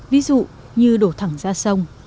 ví dụ như đổ thẳng ra sông